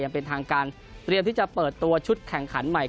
เป็นทางการเตรียมที่จะเปิดตัวชุดแข่งขันใหม่